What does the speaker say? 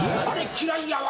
嫌いやわ。